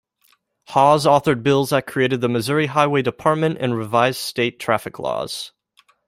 Hawes authored bills that created the Missouri Highway Department and revised state traffic laws.